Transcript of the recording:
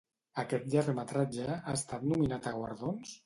Aquest llargmetratge ha estat nominat a guardons?